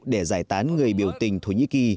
để giải tán người biểu tình thổ nhĩ kỳ